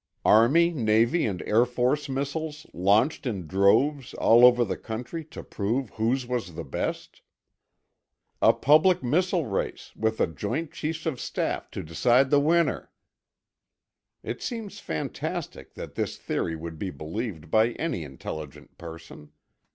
Army, Navy, and Air Force missiles, launched in droves all over the country to prove whose was the best? A public missile race, with the joint Chiefs of Staff to decide the winner! It seems fantastic that this theory would be believed by any intelligent person.